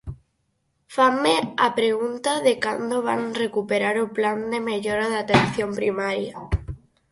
Fanme a pregunta de cando van recuperar o Plan de mellora da atención primaria.